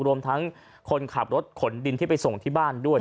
รวมทั้งคนขับรถขนดินที่ไปส่งที่บ้านด้วย